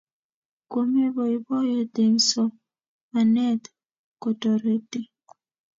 Komi boiboiyet eng somanet kotoreti